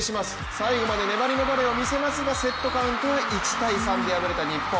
最後まで粘りのバレーを見せますがセットカウントは１−３で敗れた日本